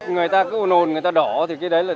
người ta cứ nồn người ta đỏ thì cái đấy là